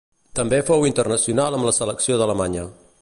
També fou internacional amb la selecció d'Alemanya.